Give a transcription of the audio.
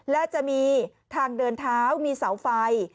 และจะมีทางเดินเท้ามีเสาไฟ